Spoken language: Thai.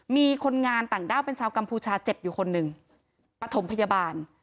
มีคนงานต่างด้าวเป็นชาวกัมพูชาเจ็บอยู่คนหนึ่งปฐมพยาบาล